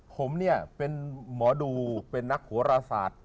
ผมเนี่ยเป็นหมอดูเป็นนักโหราศาสตร์